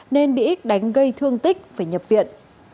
nên bị ích đánh gây thương tích phải nhập viện